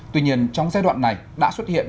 tuy nhiên trong giai đoạn này đã xuất hiện